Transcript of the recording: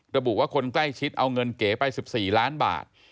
ระบุว่าคนใกล้ชิดเอาเงินเก๋ไป๑๔ล้านบาท